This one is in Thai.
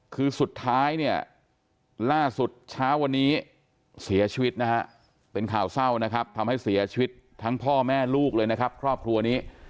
คือสุดท้ายเนี่ยล่าสุดเช้าวันนี้เสียชีวิตนะฮะเป็นข่าวเศร้านะครับทำให้เสียชีวิตทั้งพ่อแม่ลูกเลยนะครับครอบครัวนี้